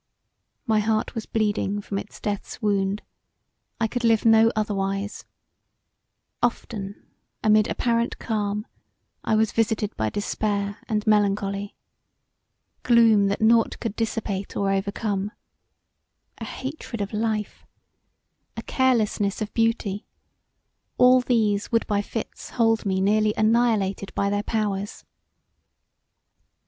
My heart was bleeding from its death's wound; I could live no otherwise Often amid apparent calm I was visited by despair and melancholy; gloom that nought could dissipate or overcome; a hatred of life; a carelessness of beauty; all these would by fits hold me nearly annihilated by their powers.